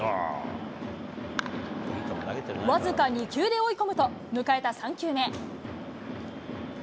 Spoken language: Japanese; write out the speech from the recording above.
僅か２球で追い込むと、迎えた３球目。